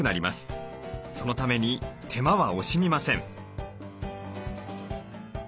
そのために手間は惜しみません。